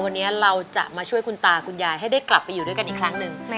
วันนี้เราจะมาช่วยคุณตาคุณยายให้ได้กลับไปอยู่ด้วยกันอีกครั้งหนึ่ง